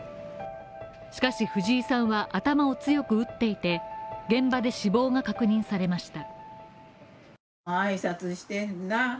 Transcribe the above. しかし藤井さんは頭を強く打っていて、現場で死亡が確認されました。